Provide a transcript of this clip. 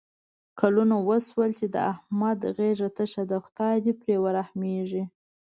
کلونه وشول چې د احمد غېږه تشه ده. خدای دې پرې ورحمېږي.